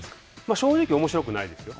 正直おもしろくないですよ。